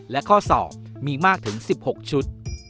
และข้อสอบมีมากถึง๑๖ชุด